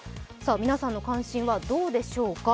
皆さんの関心はどうでしょうか。